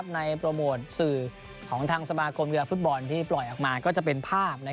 โปรโมทสื่อของทางสมาคมกีฬาฟุตบอลที่ปล่อยออกมาก็จะเป็นภาพ